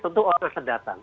tentu orang akan datang